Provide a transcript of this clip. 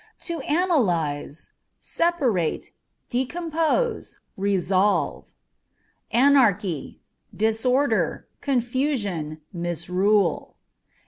To Analyse â€" separate, decompose, resolve. Anarchy â€" disorder, confusion, misrule.